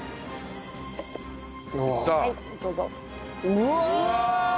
うわ！